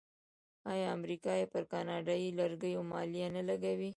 آیا امریکا پر کاناډایی لرګیو مالیه نه لګوي؟